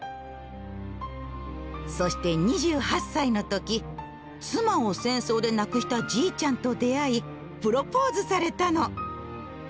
そして２８歳の時妻を戦争で亡くしたじいちゃんと出会いプロポーズされたの。